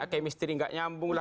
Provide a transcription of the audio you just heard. kemistri nggak nyambung lah